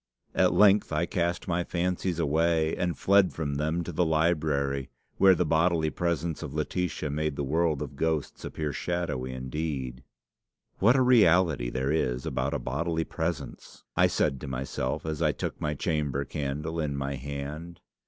At length I cast my fancies away, and fled from them to the library, where the bodily presence of Laetitia made the world of ghosts appear shadowy indeed. "'What a reality there is about a bodily presence!' I said to myself, as I took my chamber candle in my hand.